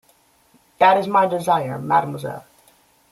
That is my desire, mademoiselle.